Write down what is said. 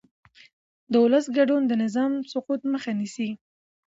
د ولس ګډون د نظام سقوط مخه نیسي